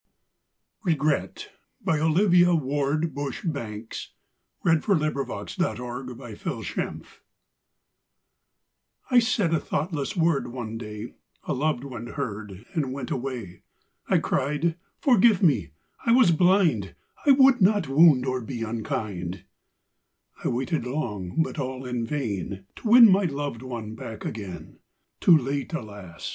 you RegretOlivia Ward Bush Banks 1869 1944I said a thoughtless word one day,A loved one heard and went away;I cried: âForgive me, I was blind;I would not wound or be unkind.âI waited long, but all in vain, To win my loved one back again. Too late, alas!